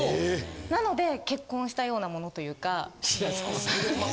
なので結婚したようなものというか。